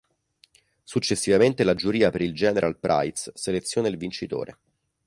Successivamente la giuria per il "General Prize" seleziona il vincitore.